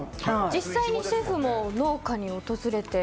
実際にシェフも農家に訪れて。